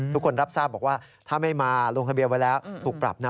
ทุกคนรับทราบบอกว่าถ้าไม่มาลงทะเบียนไว้แล้วถูกปรับนะ